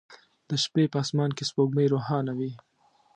د شپې په اسمان کې سپوږمۍ روښانه وي